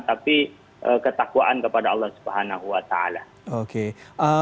tapi ketakwaan kepada allah subhanahu wa ta'ala